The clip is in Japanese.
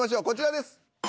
こちらです。